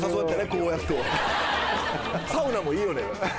こうやってサウナもいいよね